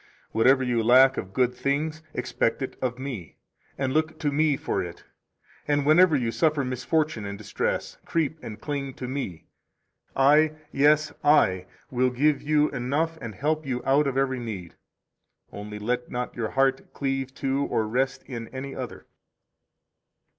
Whatever you lack of good things, expect it of Me, and look to Me for it, and whenever you suffer misfortune and distress, creep and cling to Me. I, yes, I, will give you enough and help you out of every need; only let not your heart cleave to or rest in any other.